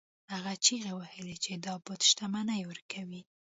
هغه چیغې وهلې چې دا بت شتمني ورکوي.